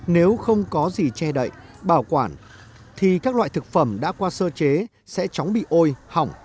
nếu không có gì che đậy bảo quản thì các loại thực phẩm đã qua sơ chế sẽ chóng bị ôi hỏng